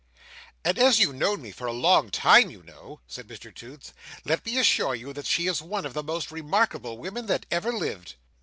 "And as you've known me for a long time, you know," said Mr Toots, "let me assure you that she is one of the most remarkable women that ever lived."